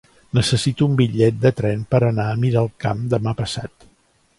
Necessito un bitllet de tren per anar a Miralcamp demà passat.